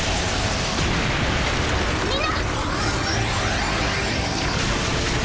みんな！